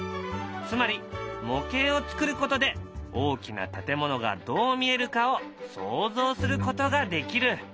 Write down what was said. つまり模型を作ることで大きな建物がどう見えるかを想像することができる。